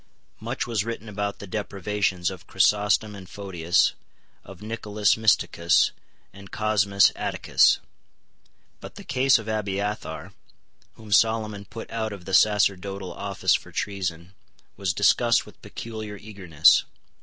Much was written about the deprivations of Chrysostom and Photius, of Nicolaus Mysticus and Cosmas Atticus. But the case of Abiathar, whom Solomon put out of the sacerdotal office for treason, was discussed with peculiar eagerness.